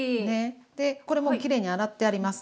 でこれもうきれいに洗ってあります。